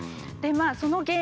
その原因